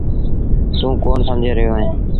توٚنٚ ڪون سمجھي رهيو اهي